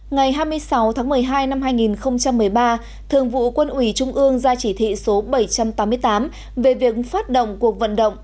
ngày hai mươi sáu tháng một mươi hai năm hai nghìn một mươi ba thường vụ quân ủy trung ương ra chỉ thị số bảy trăm tám mươi tám về việc phát động cuộc vận động